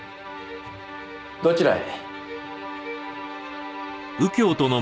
どちらへ？